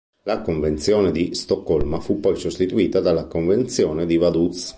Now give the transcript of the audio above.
La Convenzione di Stoccolma fu poi sostituita dalla Convenzione di Vaduz.